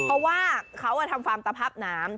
เพราะว่าเขาทำฟาร์มตภาพน้ำ